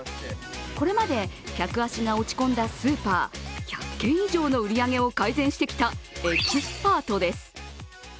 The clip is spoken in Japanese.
これまで客足が落ち込んだスーパー１００軒以上の売り上げを改善してきたエキスパートです。